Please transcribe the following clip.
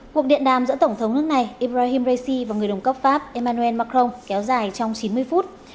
cuộc điện đàm giữa tổng thống nước này ibrahim raisi và người đồng cấp pháp emmanuel macron kéo dài trong chín mươi phút